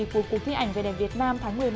của cuộc thi ảnh về đẹp việt nam tháng một mươi một